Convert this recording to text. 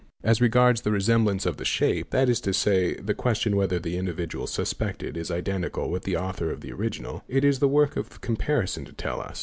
As regards the resemblance of the shape, that is to Se y, the question whether the individual suspected is identical with the author of the original, it is the work of comparison to tell us.